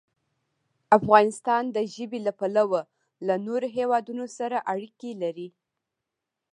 افغانستان د ژبې له پلوه له نورو هېوادونو سره اړیکې لري.